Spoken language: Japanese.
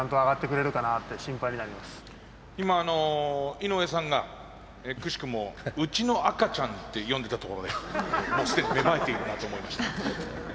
今井上さんがくしくも「うちの赤ちゃん」って呼んでたところでもうすでに芽生えているなと思いました。